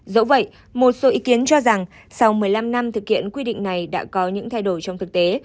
dẫu vậy một số ý kiến cho rằng sau một mươi năm năm thực hiện quy định này đã có những thay đổi trong thực tế